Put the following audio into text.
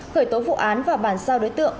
khởi tố vụ án và bàn sao đối tượng